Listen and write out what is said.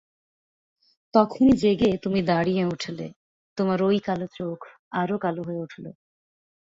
তখনই জেগে তুমি দাঁড়িয়ে উঠলে, তোমার ঐ কালো চোখ আরো কালো হয়ে উঠল।